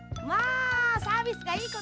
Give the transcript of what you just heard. あサービスがいいことね。